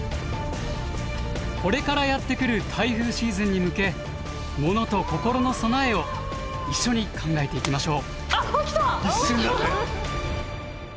これからやって来る台風シーズンに向けモノとココロの備えを一緒に考えていきましょう。